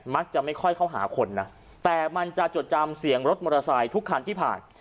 จะไม่ค่อยเข้าหาคนนะแต่มันจะจดจำเสียงรถมอเตอร์ไซค์ทุกคันที่ผ่าน